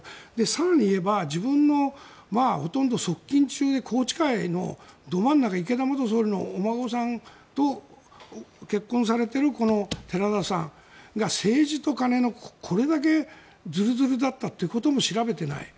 更に言えば自分のほとんど側近中で宏池会のど真ん中池田元総理のお孫さんと結婚されているこの寺田さんが、政治と金のこれだけずるずるだったということも調べてない。